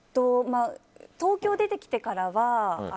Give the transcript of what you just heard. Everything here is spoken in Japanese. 東京に出てきてからは。